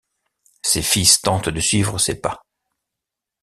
Ses fils tentent de suivre ses pas.